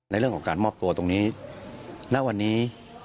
ในเรื่องของการมอบตัวตรงนี้ณวันนี้